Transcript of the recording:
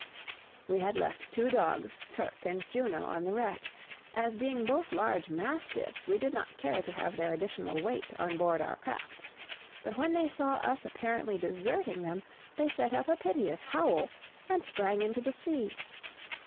We had left two dogs, Turk and Juno, on the wreck, as being both large mastiffs we did not care to have their additional weight on board our craft; but when they saw us apparently deserting them, they set up a piteous howl, and sprang into the sea.